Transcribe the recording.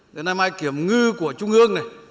đến nay mai kiểm ngư của trung ương này